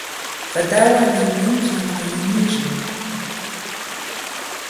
Va daouarn zo ruz gant ar yenijenn.